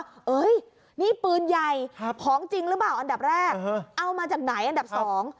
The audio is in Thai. เฮ้ยนี่ปืนใหญ่ของจริงหรือเปล่าอันดับแรกเอามาจากไหนอันดับสอง